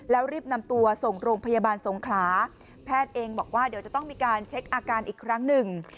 แล้วรีบนำตัวส่งโรงพยาบาลสงขลาแพทย์เองบอกว่าเดี๋ยวจะต้องมีการเช็คอาการอีกครั้งหนึ่ง